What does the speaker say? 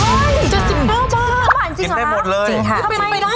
เฮ้ยเจ็ดสิบเก้าบาทเจ็ดได้หมดเลยจริงค่ะทำไมไม่ได้หรอ